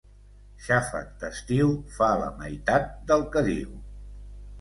Xàfec d'estiu fa la meitat del que diu.